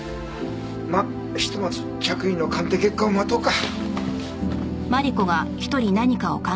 まあひとまず着衣の鑑定結果を待とうか。